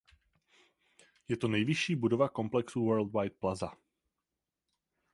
Je to nejvyšší budova komplexu Worldwide Plaza.